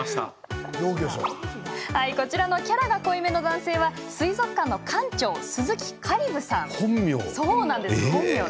こちらのキャラが濃いめの男性は水族館の館長、鈴木香里武さん。